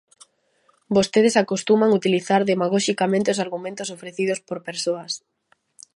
Vostedes acostuman utilizar demagoxicamente os argumentos ofrecidos por persoas.